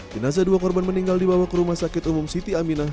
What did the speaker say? jenazah dua korban meninggal dibawa ke rumah sakit umum siti aminah